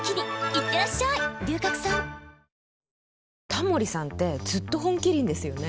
タモリさんってずっと「本麒麟」ですよね。